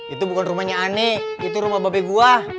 itu bukan rumahnya ani itu rumah babi gua